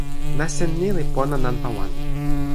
nasin ni li pona nanpa wan.